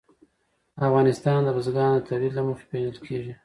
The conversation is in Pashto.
افغانستان د بزګانو د تولید له مخې پېژندل کېږي.